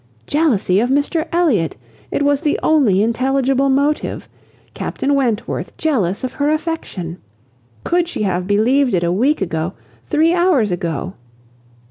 Jealousy of Mr Elliot! It was the only intelligible motive. Captain Wentworth jealous of her affection! Could she have believed it a week ago; three hours ago!